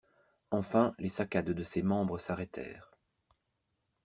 Enfin, les saccades de ses membres s'arrêtèrent.